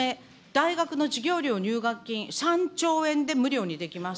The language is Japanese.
大学の授業料、入学金、３兆円で無料にできます。